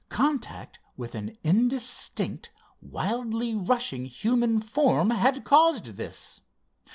Contact with an indistinct, wildly rushing human form had caused this.